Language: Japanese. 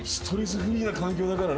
フリーな環境だからな